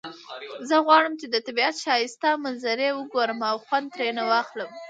زه غواړم چې د طبیعت ښایسته منظری وګورم او خوند ترینه واخلم